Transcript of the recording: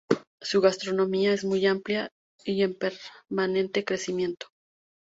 Su gastronomía es muy amplia y en permanente crecimiento.